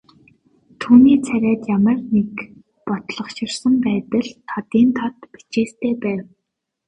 Түүний царайд ямар нэг бодлогоширсон байдал тодын тод бичээстэй байв.